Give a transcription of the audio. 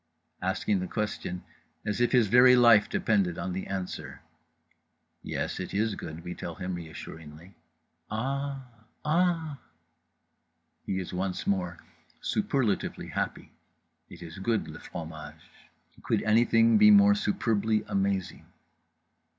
_" asking the question as if his very life depended on the answer: "Yes, it is good," we tell him reassuringly. "Ah h h. Ah h." He is once more superlatively happy. It is good, le fromage. Could anything be more superbly amazing?